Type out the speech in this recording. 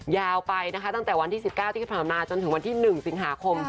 ยาวไปนะคะตั้งแต่วันที่๑๙ที่ผ่านมาจนถึงวันที่๑สิงหาคม